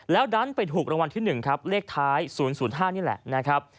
แล้วดันไปถูกรางวัลที่๑ครับเลขท้าย๐๐๕นี่แหละนะครับ